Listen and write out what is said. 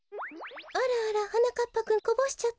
あらあらはなかっぱくんこぼしちゃった？